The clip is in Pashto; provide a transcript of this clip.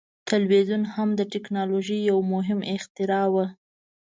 ټلویزیون هم د ټیکنالوژۍ یو مهم اختراع وه.